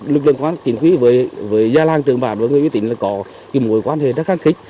lực lượng công an chỉnh quy với gia làng trưởng bản và người uy tín là có kỳ mối quan hệ rất kháng khích